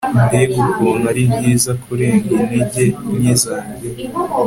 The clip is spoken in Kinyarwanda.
mbega ukuntu ari byiza kurenga intege nke zanjye